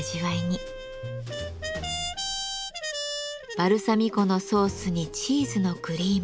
バルサミコのソースにチーズのクリーム。